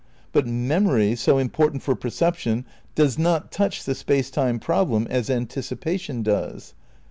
But memory, so important for perception, does not touch the Space Time problem as anticipation does.